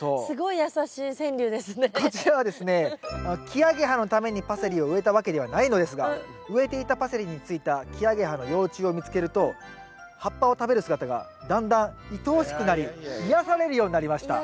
「キアゲハのためにパセリを植えたわけではないのですが植えていたパセリについたキアゲハの幼虫を見つけると葉っぱを食べる姿がだんだんいとおしくなり癒やされるようになりました」。